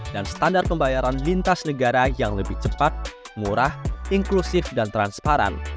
dan standar pembayaran lintas negara yang lebih cepat murah inklusif dan transparan